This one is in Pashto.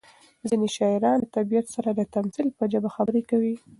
ځینې شاعران له طبیعت سره د تمثیل په ژبه خبرې کوي.